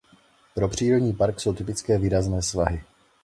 Pro přírodní park jsou typické výrazné svahy.